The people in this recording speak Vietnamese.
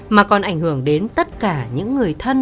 mà còn ảnh hưởng đến tất cả những người thân